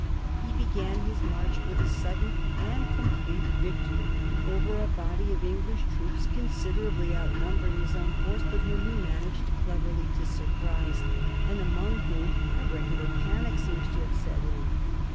He began his march with a sudden and complete victory over a body of English troops considerably outnumbering his own force, but whom he managed cleverly to surprise, and among whom a regular panic seems to have set in.